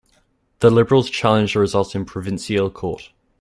The Liberals challenged the results in provincial court.